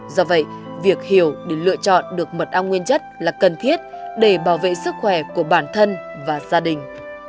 do vậy việc hiểu để lựa chọn được mật ong nguyên chất là cần thiết để bảo vệ sức khỏe của bản thân và gia đình